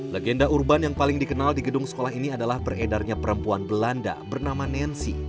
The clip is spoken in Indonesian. legenda urban yang paling dikenal di gedung sekolah ini adalah beredarnya perempuan belanda bernama nancy